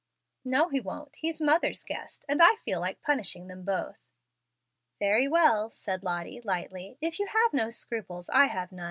"No he won't. He's mother's guest, and I feel like punishing them both." "Very well," said Lottie, lightly; "if you have no scruples, I have none.